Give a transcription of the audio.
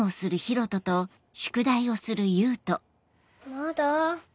まだ？